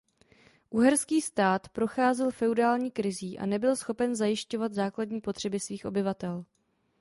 Uherský stát procházel feudální krizí a nebyl schopen zajišťovat základní potřeby svých obyvatel.